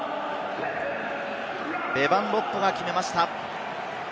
ベヴァン・ロッドが決めました。